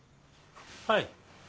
はい。